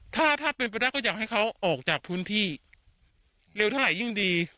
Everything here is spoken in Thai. ถ้าถ้าเป็นไปได้ก็อยากให้เขาออกจากพื้นที่เร็วเท่าไหร่ยิ่งดี